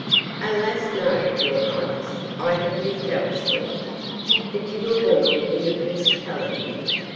"Alas, no, your highness. I have lived elsewhere." "But you were born in the principality?"